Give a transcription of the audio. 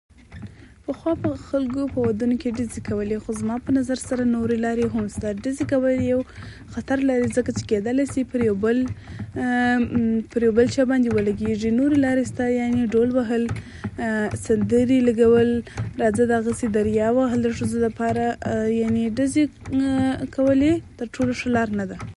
پخوا به خلکو په ودونو کې ډزې کولې، خو زما په نظر سره نورې نړۍ هم دغه ډزې یو خطر لري، ځکه چې کېدلای شي پرې بل پر یو بل چا باندې ولګېږي. نورې لارې شته، یعنې ډول وهل، سندرې لګول، راځه راځه، دریا وهل ښځو لپاره؛ یعنې ډزې کول تر ټولو ښه لار نه ده.